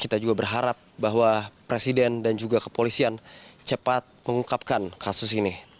kita juga berharap bahwa presiden dan juga kepolisian cepat mengungkapkan kasus ini